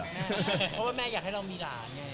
เพราะว่าแม่อยากให้เรามีหลานไง